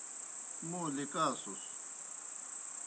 موں لِکاسُس۔